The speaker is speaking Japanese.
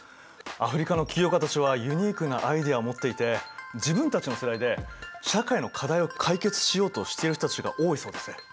アフリカの起業家たちはユニークなアイデアを持っていて自分たちの世代で社会の課題を解決しようとしてる人たちが多いそうですね。